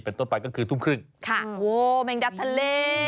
ต้นไปก็คือทุ่มครึ่งค่ะโอ้แมงดัดทะเล